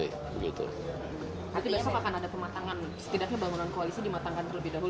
nanti besok akan ada pematangan setidaknya bangunan koalisi dimatangkan terlebih dahulu